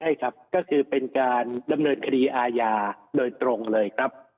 ใช่ครับก็คือเป็นการดำเนินคดีอาญาโดยตรงเลยครับ